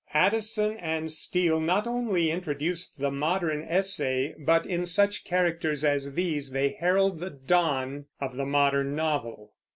Addison and Steele not only introduced the modern essay, but in such characters as these they herald the dawn of the modern novel.